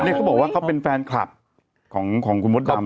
เขาบอกว่าเขาเป็นแฟนคลับของคุณมดดำ